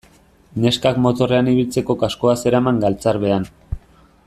Neskak motorrean ibiltzeko kaskoa zeraman galtzarbean.